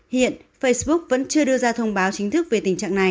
hiện facebook vẫn chưa đưa ra thông báo chính thức về tình trạng này